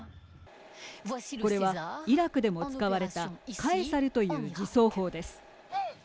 これは、イラクでも使われたカエサルという自走砲です。